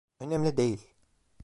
Önemli değil.